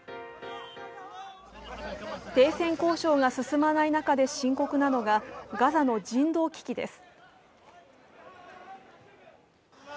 停戦交渉が進まない中で深刻なのがガザの人道危機です。